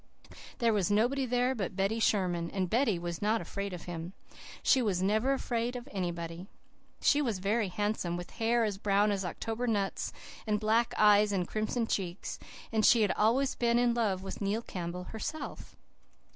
There was nobody there but Betty Sherman, and Betty was not afraid of him. She was never afraid of anybody. She was very handsome, with hair as brown as October nuts and black eyes and crimson cheeks; and she had always been in love with Neil Campbell herself.